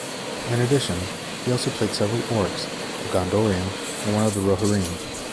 In addition, he also played several Orcs, a Gondorian, and one of the Rohirrim.